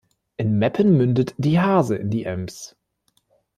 In Meppen mündet die Hase in die Ems.